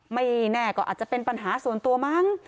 ไม่แน่ก็อาจจะเป็นปัญหาส่วนตัวมั้ง